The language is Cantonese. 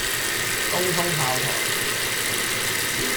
東涌炮台